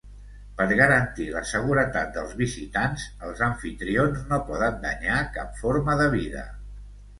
Per garantir la seguretat dels visitants, els amfitrions no poden danyar cap forma de vida.